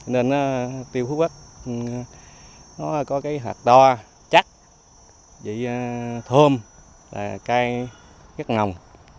nên tiêu phú quốc có hạt to chắc thơm cay ngọng